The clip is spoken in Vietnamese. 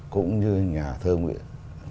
cũng như nhà thơ nguyễn